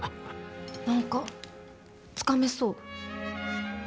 何かつかめそう。